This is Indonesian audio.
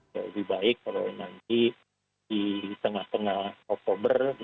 ya lebih baik kalau nanti di tengah tengah oktober